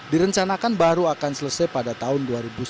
direncanakan baru akan selesai pada tahun dua ribu sembilan belas